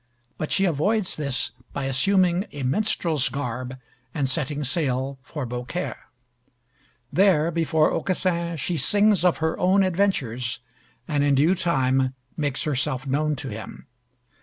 But she avoids this by assuming a minstrel's garb, and setting sail for Beaucaire. There, before Aucassin, she sings of her own adventures, and in due time makes herself known to him.